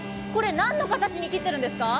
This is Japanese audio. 何の形に切ってるんですか？